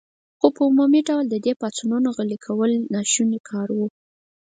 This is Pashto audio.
خو په عمومي ډول د دې پاڅونونو غلي کول ناشوني کار و.